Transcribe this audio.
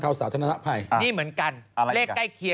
พลาสโปร์คือรุ่นอะไร